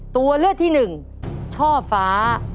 ตัวเลือกที่หนึ่งช่อฟ้า